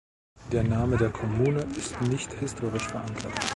Der Name der Kommune ist nicht historisch verankert.